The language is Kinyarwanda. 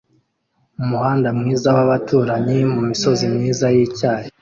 Umuhanda mwiza wabaturanyi mumisozi myiza yicyatsi